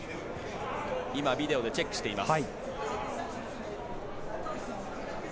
今、ビデオでチェックしています。